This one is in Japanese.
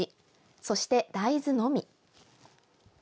そして大豆のみ。